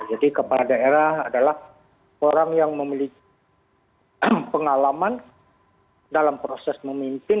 jadi kepala daerah adalah orang yang memiliki pengalaman dalam proses memimpin